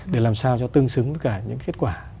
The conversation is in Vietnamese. để làm sao cho tương xứng với cả những kết quả